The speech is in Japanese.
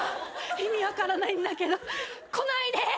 意味分からないんだけど来ないで！